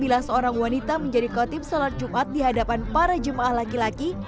bila seorang wanita menjadi kotip salat jumat di hadapan para jemaah laki laki